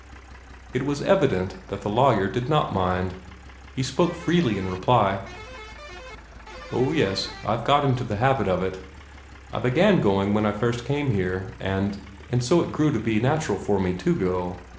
It was evident that the lawyer did not mind. He spoke freely in reply. "Oh, yes, I've got into the habit of it. I began going when I first came here, and and so it grew to be natural for me to go.